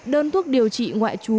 đơn thuốc điều trị ngoại trú